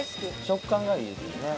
食感がいいですね。